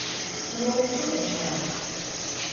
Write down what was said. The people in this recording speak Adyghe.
Sıoupçç'ı xhuşta?